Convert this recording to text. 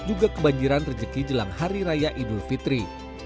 juga kebanjiran rejeki jelang hari raya idul fitri